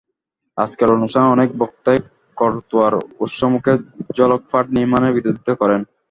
আজকের অনুষ্ঠানে অনেক বক্তাই করতোয়ার উৎসমুখে জলকপাট নির্মাণের বিরোধিতা করেন।